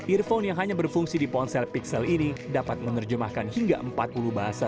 earphone yang hanya berfungsi di ponsel pixel ini dapat menerjemahkan hingga empat puluh bahasa